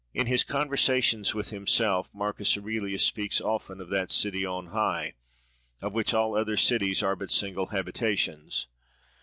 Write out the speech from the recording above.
In his "conversations with himself" Marcus Aurelius speaks often of that City on high, of which all other cities are but single habitations.